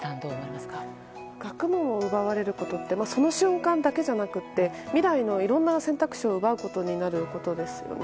学問を奪われるってその瞬間だけでなく未来のいろんな選択肢を奪うことになることですよね。